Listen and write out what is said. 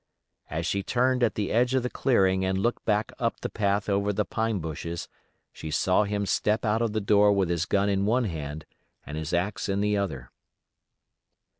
As she turned at the edge of the clearing and looked back up the path over the pine bushes she saw him step out of the door with his gun in one hand and his axe in the other.